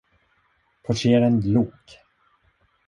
Portieren log.